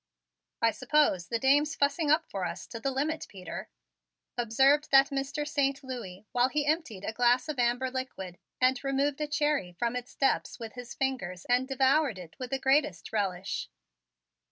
"I suppose the dame's fussing up for us to the limit, Peter," observed that Mr. Saint Louis while he emptied a glass of amber liquid and removed a cherry from its depths with his fingers and devoured it with the greatest relish.